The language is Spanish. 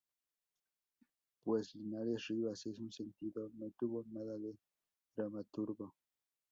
Pues Linares Rivas, en ese sentido, no tuvo nada de dramaturgo.